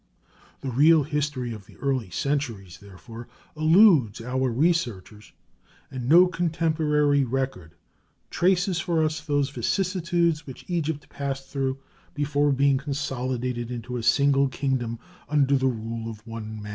The real history of the early centuries, therefore, eludes our researches, and no contemporary record traces for us those vicissitudes which Egypt passed through before being consolidated into a single kingdom, under the rule of one man.